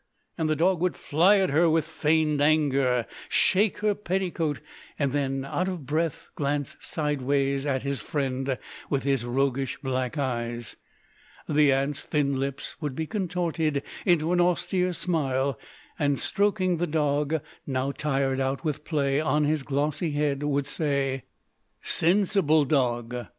and the dog would fly at her in feigned anger, shake her petticoat, and then, out of breath, glance sideways at his friend with his roguish black eyes. The Aunt's thin lips would be contorted into an austere smile, and stroking the dog, now tired out with play, on his glossy head, would say: "Sensible dog!